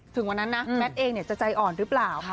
ถึงวันนั้นนะแมทเองจะใจอ่อนหรือเปล่า